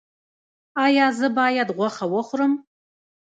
ایا زه باید غوښه وخورم؟